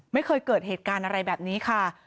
ไม่เคยเกิดเหตุการณ์อะไรแบบนี้ค่ะ